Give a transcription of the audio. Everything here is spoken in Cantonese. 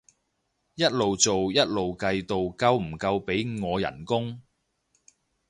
一路做一路計到夠唔夠俾我人工